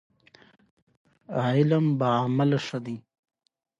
نيکه به د اکا ناوې ته ورنارې کړې.